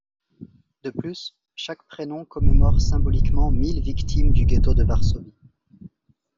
De plus, chaque prénom commémore symboliquement mille victimes du ghetto de Varsovie.